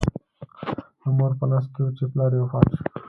د مور په نس کې و چې پلار یې وفات شو.